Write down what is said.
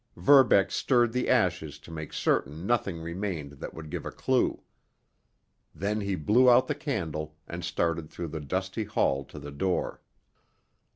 Verbeck stirred the ashes to make certain nothing remained that would give a clew. Then he blew out the candle and started through the dusty hall to the door.